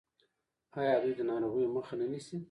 آیا دوی د ناروغیو مخه نه نیسي؟